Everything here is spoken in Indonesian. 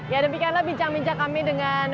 ya demikianlah bincang bincang kami dengan